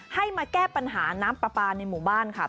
ให้มาแก้ปัญหาน้ำปลาปลาในหมู่บ้านค่ะ